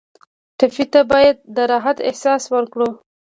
ټپي ته باید د راحت احساس ورکړو.